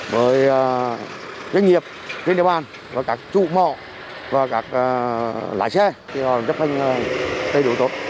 với doanh nghiệp trên đường bàn và các chủ mọ và các lái xe để họ chấp hành tế đủ tốt